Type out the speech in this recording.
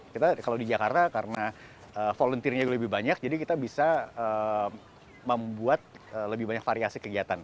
kita kalau di jakarta karena volunteernya lebih banyak jadi kita bisa membuat lebih banyak variasi kegiatan